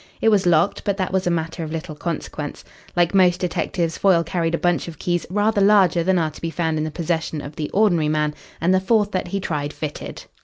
It was locked, but that was a matter of little consequence. Like most detectives, Foyle carried a bunch of keys rather larger than are to be found in the possession of the ordinary man, and the fourth that he tried fitted.